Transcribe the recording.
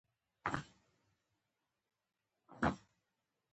رنګ شوي وېښتيان اضافه پاملرنې ته اړتیا لري.